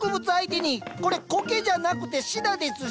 これ苔じゃなくてシダですし。